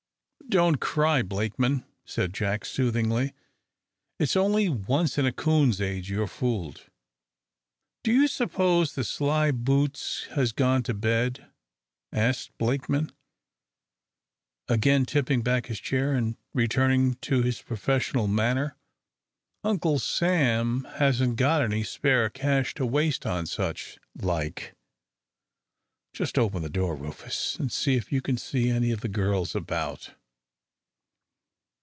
"Don't cry, Blakeman," said Jack, soothingly. "It's only once in a coon's age you're fooled." "Do you suppose the slyboots has gone to bed?" asked Blakeman, again tipping back his chair, and returning to his professional manner. "Uncle Sam hasn't got any spare cash to waste on such like. Just open the door, Rufus, and see if you see any of the girls about."